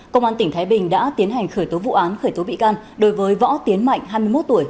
công an tỉnh thái bình đã tiến hành khởi tố vụ án khởi tố bị can đối với võ tiến mạnh hai mươi một tuổi